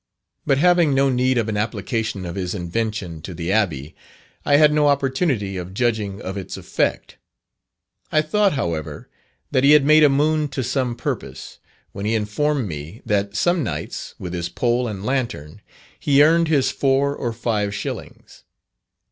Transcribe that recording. But having no need of an application of his invention to the Abbey, I had no opportunity of judging of its effect. I thought, however, that he had made a moon to some purpose, when he informed me that some nights, with his pole and lantern, he earned his four or five shillings.